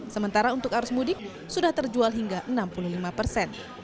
sementara untuk arus mudik sudah terjual hingga enam puluh lima persen